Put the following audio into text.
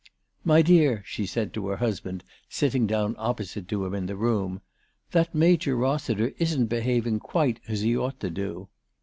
" My dear," she said to her husband, sitting down opposite to him in his room, " that Major Rossiter isn't behaving quite as he ought to do."